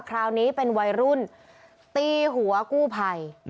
คราวนี้เป็นวัยรุ่นตีหัวกู้ภัย